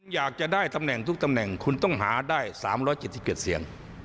อยากจะได้ตำแหน่งทุกตำแหน่งคุณต้องหาได้๓๗๗เสียง